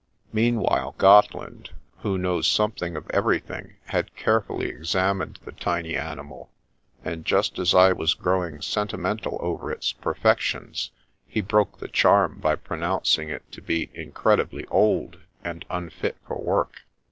Meanwhile Gotteland, who knows something of ever)^hing, had carefully exam ined the tiny animal, and just as I was growing sentimental over its perfections, he broke the charm by pronouncing it to be incredibly old, and unfit for work.